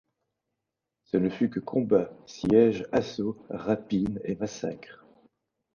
Ce ne fut que combats, sièges, assauts, rapines et massacres.